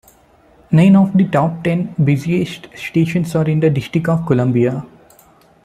Nine of the top ten busiest stations are in the District of Columbia.